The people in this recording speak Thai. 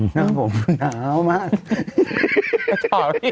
หนาวมาก